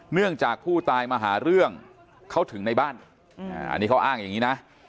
เนื่องจากผู้ตายมาหาเรื่องเขาถึงในบ้านอันนี้เขาอ้างอย่างนี้นะ